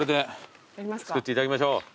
作っていただきましょう。